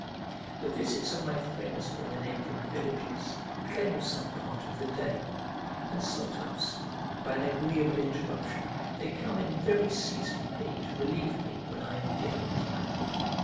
The visits of my friends from the neighbouring villages claim some part of the day; and sometimes, by an agreeable interruption, they come in very seasonably to relieve me when I am feeling tired.